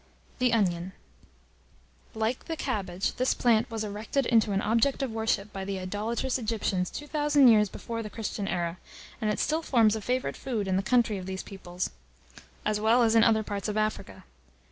] THE ONION. Like the cabbage, this plant was erected into an object of worship by the idolatrous Egyptians 2,000 years before the Christian era, and it still forms a favourite food in the country of these people, as well as in other parts of Africa.